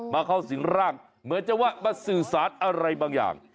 เข้าสิงร่างเหมือนจะว่ามาสื่อสารอะไรบางอย่าง